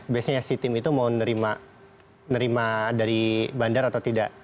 biasanya si tim itu mau nerima dari bandar atau tidak